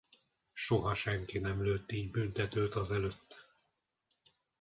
Soha senki nem lőtt így büntetőt azelőtt.